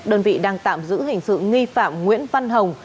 đơn vị đang tạm giữ hình sự nghi phạm nguyễn văn hồng